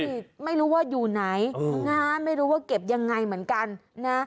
ค่อนข้าง๙๕ไม่รู้ว่าอยู่ไหนไม่รู้ว่าเก็บอย่างไรเหมือนกัน